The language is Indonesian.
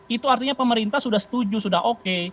itu artinya pemerintah sudah setuju sudah oke